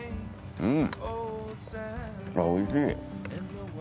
うん。